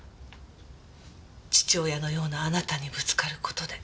父親のようなあなたにぶつかる事で。